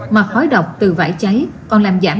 mà khói độc từ vải cháy còn làm giảm